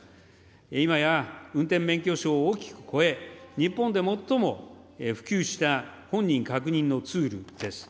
今や運転免許証を大きく超え、日本で最も普及した本人確認のツールです。